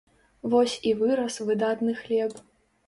Вось і вырас выдатны хлеб.